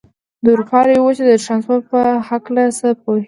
د اروپا لویې وچې د ترانسپورت په هلکه څه پوهېږئ؟